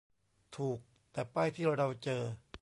ถูก แต่ป้ายที่เราเจอ